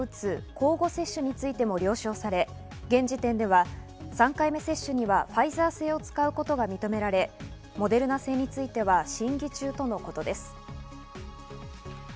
交互接種についても了承され、現時点では３回目接種にはファイザー製を使うことが認められ、モデルナ製については審議中とのことです。